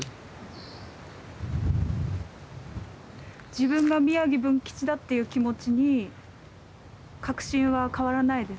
自分が宮城文吉だっていう気持ちに確信は変わらないですか？